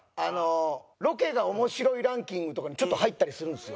ロケが面白いランキングとかにちょっと入ったりするんですよ。